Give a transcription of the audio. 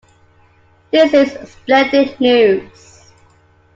This is splendid news.